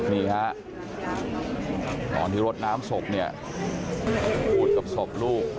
นี่ฮะตอนที่รดน้ำศพเนี่ยพูดกับศพลูก